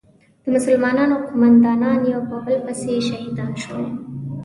د مسلمانانو قومندانان یو په بل پسې شهیدان شول.